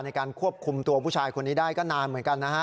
ในการควบคุมตัวผู้ชายคนนี้ได้ก็นานเหมือนกันนะฮะ